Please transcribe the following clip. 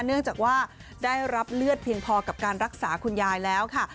เนื่องจากว่าได้รับเลือดเพียงพอกับการรักษาคุณยายแล้วค่ะ